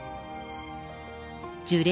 樹齢